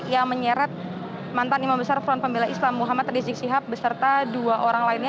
yang menyeret mantan imam besar front pembela islam muhammad rizik sihab beserta dua orang lainnya